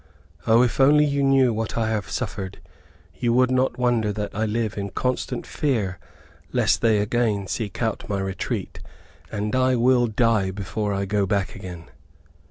O, if you knew what I have suffered, you would not wonder that I live in constant fear lest they again seek out my retreat; and I will die before I go back again."